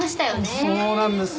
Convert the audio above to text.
そうなんですよ。